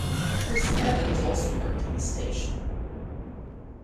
Chris Evans also worked at the station.